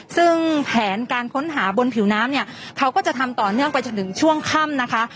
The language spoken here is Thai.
ซึ่งแผนการค้นหาบนผิวน้ำเนี่ยเขาก็จะทำต่อเนื่องไปจนถึงช่วงค่ำนะคะ